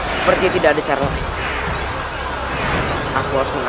seperti tidak ada yang bisa menang